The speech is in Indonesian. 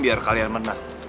biar kalian menang